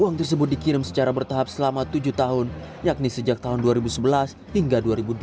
uang tersebut dikirim secara bertahap selama tujuh tahun yakni sejak tahun dua ribu sebelas hingga dua ribu delapan belas